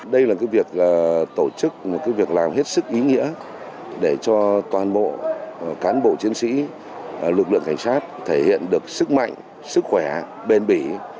đây là việc tổ chức một việc làm hết sức ý nghĩa để cho toàn bộ cán bộ chiến sĩ lực lượng cảnh sát thể hiện được sức mạnh sức khỏe bền bỉ